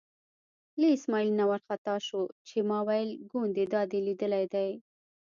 له اسمعیل نه وار خطا شو چې ما ویل ګوندې دا دې لیدلی دی.